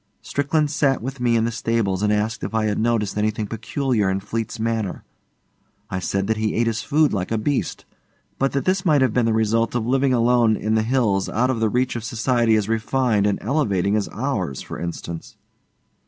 Strickland sat with me in the stables and asked if I had noticed anything peculiar in Fleete's manner. I said that he ate his food like a beast; but that this might have been the result of living alone in the hills out of the reach of society as refined and elevating as ours for instance.